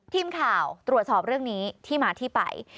ทีมข่าวตรวจสอบเรื่องนี้ที่มาที่ไป